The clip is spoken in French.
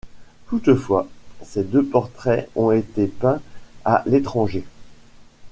Toutefois, ces deux portraits ont été peints à l'étranger.